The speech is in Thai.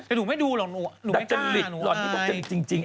แต่หนูไม่ดูหรอกหนูไม่ต้าหนูอาญ